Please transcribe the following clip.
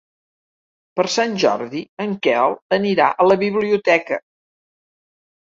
Per Sant Jordi en Quel anirà a la biblioteca.